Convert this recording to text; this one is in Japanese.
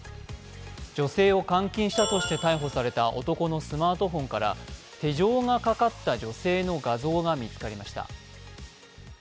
女性を監禁したとして逮捕された男のスマートフォンから、手錠がかかった女性の画像が見つかりました。